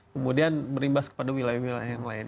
kemudian berimbas kepada wilayah wilayah yang lain